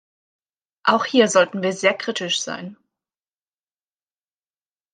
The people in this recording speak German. Auch hier sollten wir sehr kritisch sein.